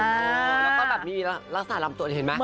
แล้วก็มีลักษณะลำตวนเห็นไหม